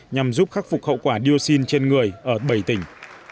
nhằm giúp khắc phục hậu quả dioxin trên người ở bảy tỉnh